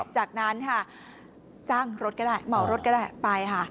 จากนั้นค่ะจ้างรถก็ได้เหมารถก็ได้ไปค่ะ